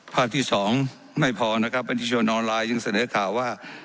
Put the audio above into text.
ภาพที่สองไม่พอนะครับประชาชนออนไลน์ยังเสนอข่าวว่า